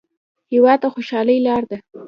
هېواد د خوشحالۍ لار ده.